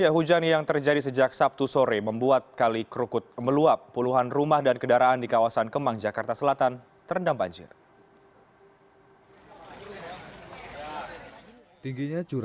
hujan yang terjadi sejak sabtu sore membuat kali krukut meluap puluhan rumah dan kendaraan di kawasan kemang jakarta selatan terendam banjir